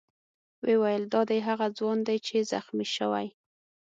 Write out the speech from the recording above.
ویې ویل: دا دی هغه ځوان دی چې زخمي شوی.